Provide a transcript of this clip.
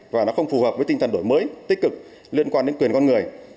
và nó không phù hợp với tinh thần đổi mới tích cực liên quan đến quyền con người